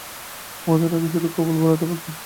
আমাদের নাকি শুধু কবুল বলাটা বাকি।